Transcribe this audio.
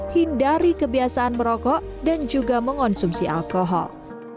hindari kebiasaan merokok dan juga mengonsumsi alkohol